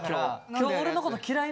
今日俺のこと嫌い？